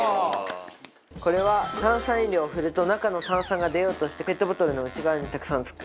これは炭酸飲料を振ると中の炭酸が出ようとしてペットボトルの内側にたくさん付く。